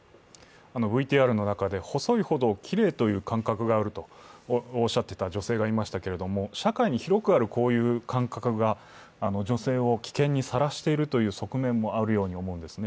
ＶＴＲの中で細いほどきれいという感覚があるとおっしゃっていた女性がいましたけれども社会に広くあるこういう感覚が女性を危険にさらしているという側面もあるように思うんですね。